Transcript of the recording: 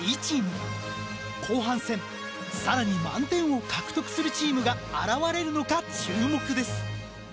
後半戦更に満点を獲得するチームが現れるのか注目です！